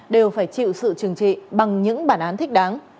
đều phải chịu sự trừng trị bằng những bản án thích đáng